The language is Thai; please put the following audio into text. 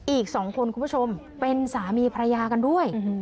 อีก๒คนคุณผู้ชมเป็นสามีภรรยากันด้วย